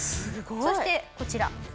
そしてこちら。